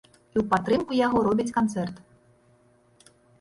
І ў падтрымку яго робіць канцэрт.